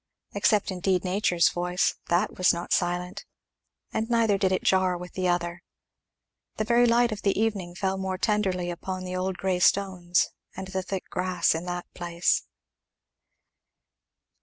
Except indeed nature's voice; that was not silent; and neither did it jar with the other. The very light of the evening fell more tenderly upon the old grey stones and the thick grass in that place.